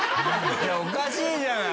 いやおかしいじゃない！